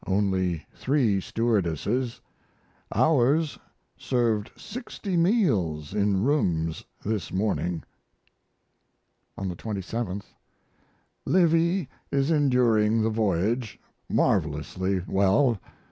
Only 3 stewardesses. Ours served 60 meals in rooms this morning. On the 27th: Livy is enduring the voyage marvelously well.